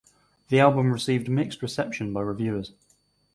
The album received mixed reception by reviewers.